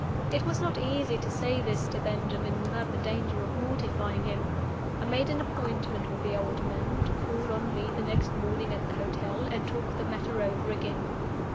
It was not easy to say this to Benjamin without the danger of mortifying him. I made an appointment with the old man to call on me the next morning at the hotel, and talk the matter over again.